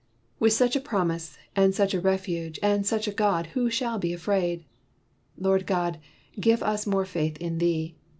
' "With such a promise, and such a ref uge, and such a God, who shall be afraid? Lord God, give us more faith in thee!